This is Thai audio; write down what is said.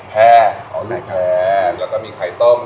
แพ้อ๋อนี่แพ้แล้วก็มีไข่ต้ม